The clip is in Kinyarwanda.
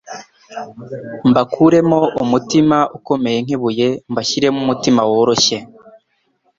mbakuremo umutima ukomeye nk'ibuye, mbashyiremo umutima woroshye,